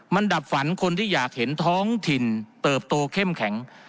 มันดับฝันคนที่อยากเห็นท้องถิ่นเติบโตเข้มแข็ง